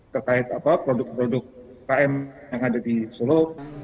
terkait produk produk km yang ada di solo